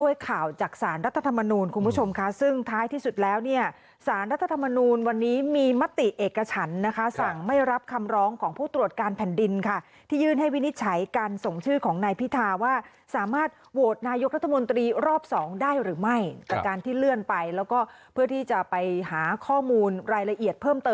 ข่าวจากสารรัฐธรรมนูลคุณผู้ชมค่ะซึ่งท้ายที่สุดแล้วเนี่ยสารรัฐธรรมนูลวันนี้มีมติเอกฉันนะคะสั่งไม่รับคำร้องของผู้ตรวจการแผ่นดินค่ะที่ยื่นให้วินิจฉัยการส่งชื่อของนายพิธาว่าสามารถโหวตนายกรัฐมนตรีรอบสองได้หรือไม่จากการที่เลื่อนไปแล้วก็เพื่อที่จะไปหาข้อมูลรายละเอียดเพิ่มเติม